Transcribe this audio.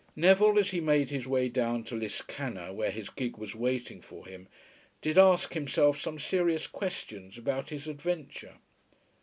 Neville, as he made his way down to Liscannor, where his gig was waiting for him, did ask himself some serious questions about his adventure.